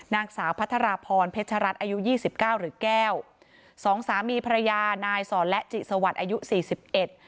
นางสาวพัทรพรเพชรรัฐอายุยี่สิบเก้าหรือแก้วสองสามีภรรยานายสอนและจิสวัสดิ์อายุสี่สิบเอ็ด